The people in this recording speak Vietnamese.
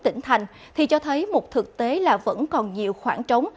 tỉnh thành thì cho thấy một thực tế là vẫn còn nhiều khoảng trống